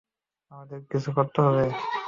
আমাদের কিছু করতে হবে।